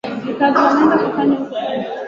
ambayo inaweza kukuelezea kwenye mwelekeo wa kitu